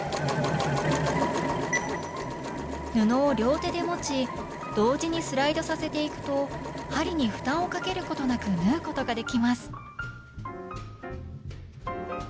布を両手で持ち同時にスライドさせていくと針に負担をかけることなく縫うことができます